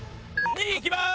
２いきます！